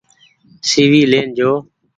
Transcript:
سي وي لين جو۔